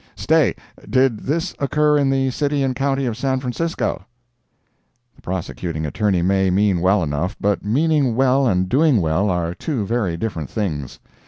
"Stay: did this occur in the City and County of San Francisco?" The Prosecuting Attorney may mean well enough, but meaning well and doing well are two very different things.